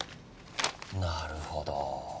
なるほど。